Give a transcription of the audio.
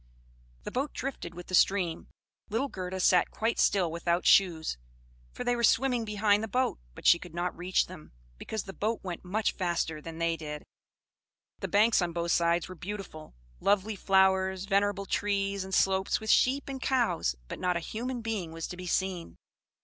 The boat drifted with the stream, little Gerda sat quite still without shoes, for they were swimming behind the boat, but she could not reach them, because the boat went much faster than they did. The banks on both sides were beautiful; lovely flowers, venerable trees, and slopes with sheep and cows, but not a human being was to be seen.